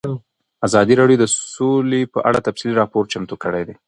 ازادي راډیو د سوله په اړه تفصیلي راپور چمتو کړی.